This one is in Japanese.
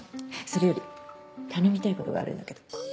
それより頼みたいことがあるんだけど。